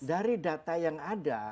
dari data yang ada